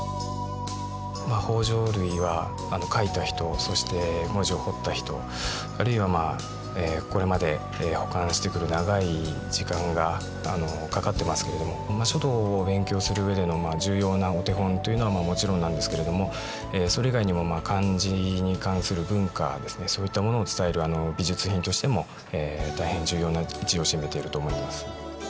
法帖類は書いた人そして文字を彫った人あるいはこれまで保管してくる長い時間がかかってますけれども書道を勉強する上での重要なお手本というのはもちろんなんですけれどもそれ以外にも漢字に関する文化そういったものを伝える美術品としても大変重要な位置を占めていると思います。